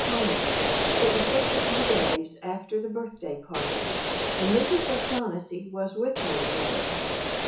CONEY, It was just a few days after the birthday party and Mrs. O'Shaughnessy was with me again.